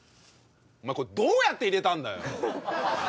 これどうやって入れたんだよ